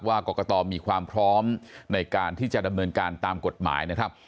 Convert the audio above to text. กรกตมีความพร้อมในการที่จะดำเนินการตามกฎหมายนะครับ